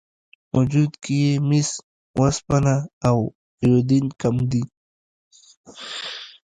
وجود کې یې مس، وسپنه او ایودین کم دي.